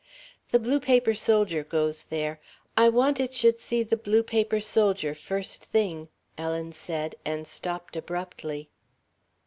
"The blue paper soldier goes there. I want it should see the blue paper soldier first thing...." Ellen said, and stopped abruptly.